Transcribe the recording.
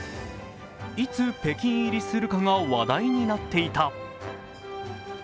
いつ北京入りするかが話題になっていた。